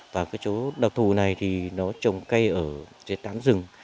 và cái chỗ độc thù này thì nó trồng cây ở dưới tảng rừng